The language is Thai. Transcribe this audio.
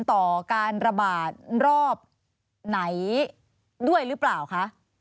ต่อการระบาดรอบไหนด้วยหรือเปล่าคะ